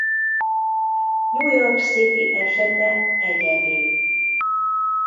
New York City esete egyedi.